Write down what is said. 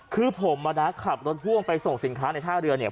คือผมอ่ะนะขับรถพ่วงไปส่งสินค้าในท่าเรือเนี่ย